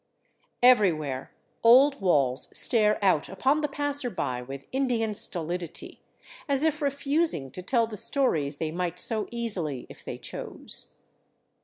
Everywhere old walls stare out upon the passerby with Indian stolid ity, as if refusing to tell the stories they might so easily if they chose.